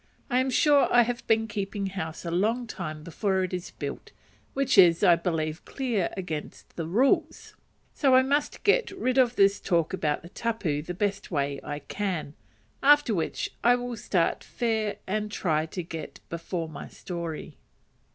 I am sure I have been keeping house a long time before it is built, which is I believe clear against the rules; so I must get rid of this talk about the tapu the best way I can, after which I will start fair and try not to get before my story.